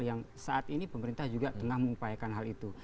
yang saat ini pemerintah juga tengah mengupayakan hal itu